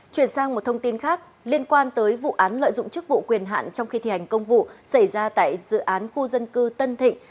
chuyển sang một thông tin khác liên quan tới vụ án lợi dụng chức vụ quyền hạn trong khi thi hành công vụ xảy ra tại dự án khu dân cư tân thịnh